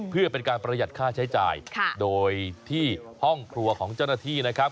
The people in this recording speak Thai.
เพื่อเป็นการประหยัดค่าใช้จ่ายโดยที่ห้องครัวของเจ้าหน้าที่นะครับ